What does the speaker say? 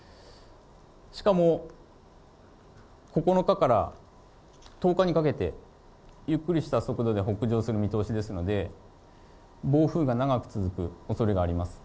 しかも９日から１０日にかけて、ゆっくりした速度で北上する見通しですので、暴風が長く続くおそれがあります。